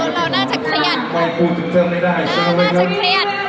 เราน่าจะเครียด